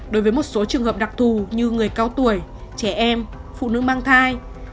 đối với một số trường hợp đặc thù như người cao tuổi trẻ em phụ nữ mang thai